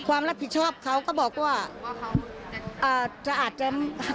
ความรับผิดชอบเขาก็บอกว่าจะอาจจะ